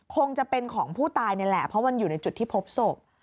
คงจะเป็นของผู้ตายนี่แหละเพราะมันอยู่ในจุดที่พบศพ